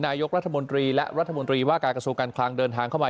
นายกรัฐมนตรีและรัฐมนตรีว่าการกระทรวงการคลังเดินทางเข้ามา